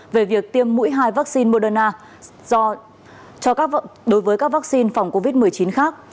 về việc tiêm mũi hai vaccine moderna đối với các vaccine phòng covid một mươi chín khác